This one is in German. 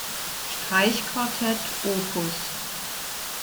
Streichquartett op.